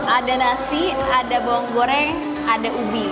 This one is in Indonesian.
ada nasi ada bawang goreng ada ubi